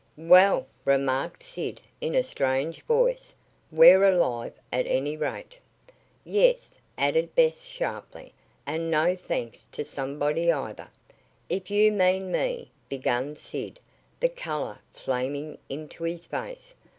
"Well," remarked Sid in a strange voice, "we're alive, at any rate." "Yes," added Bess sharply, "and no thanks to somebody, either." "If you mean me " began Sid, the color flaming into his face.